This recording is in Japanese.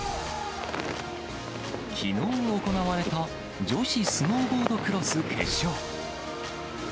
きのう行われた女子スノーボードクロス決勝。